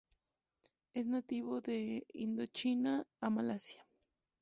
Es nativo de Indochina a Malasia.